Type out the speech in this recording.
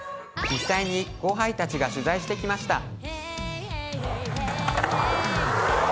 実際に後輩たちが取材してきました。